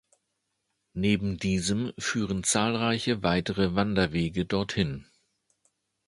Neben diesem führen zahlreiche weitere Wanderwege dorthin.